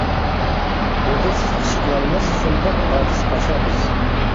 مۇدىرسىز ئىش قىلالماس، شۇنداق ئاجىز پاشا بىز.